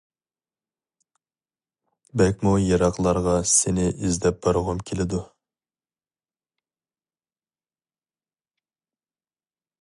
بەكمۇ يىراقلارغا سېنى ئىزدەپ بارغۇم كېلىدۇ.